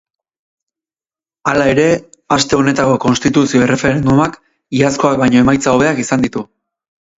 Hala ere, aste honetako konstituzio erreferendumak iazkoak baino emaitza hobeak izan ditu.